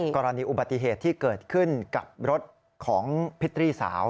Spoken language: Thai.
กรณีอุบัติเหตุที่เกิดขึ้นกับรถของพิตรีสาว